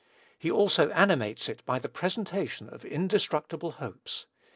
He also animates it by the presentation of indestructible hopes.